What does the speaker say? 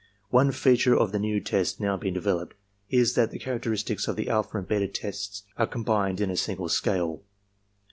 One feature of the new tests now being developed is that the characteristics of the alpha and beta tests are combined in a single scale.